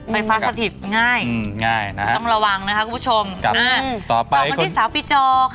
ไฟฟ้าสะทิบง่ายนะครับต้องระวังนะครับคุณผู้ชมต่อไปคุณสาวปีจอค่ะ